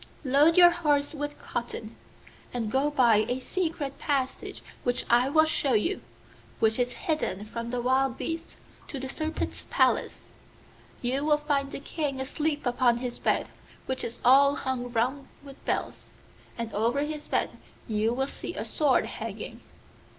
Load your horse with cotton, and go by a secret passage which I will show you, which is hidden from the wild beasts, to the Serpent's palace. You will find the King asleep upon his bed, which is all hung round with bells, and over his bed you will see a sword hanging.